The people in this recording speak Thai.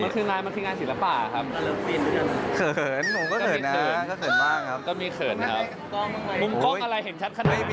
ภูมิกับพระคังคลับเราก็พยี่อยู่เหมือนกัน